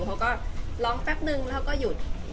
เขาก็ร้องแป๊บนึงแล้วก็หยุด